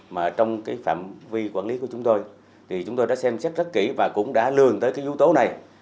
mà trong cái phạm vi quản lý của chúng tôi thì chúng tôi đã xem xét rất kỹ và cũng đã lường tới cái yếu tố này